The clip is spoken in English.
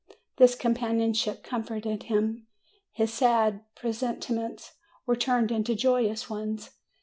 This companionship comforted him; his sad pre sentiments were turned into joyous ones.